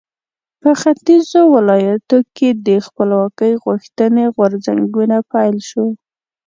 په ختیځو ولایاتو کې د خپلواکۍ غوښتنې غورځنګونو پیل شو.